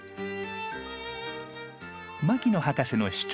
牧野博士の主張